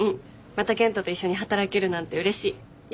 また健人と一緒に働けるなんてうれしい。